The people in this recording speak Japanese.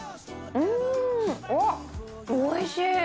うーん、おいしい。